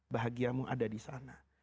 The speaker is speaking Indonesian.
bahagiamu ada di sana